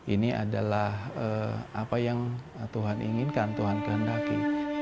ini adalah apa yang tuhan inginkan tuhan kehendaki